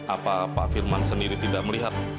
apa pak firman sendiri tidak melihat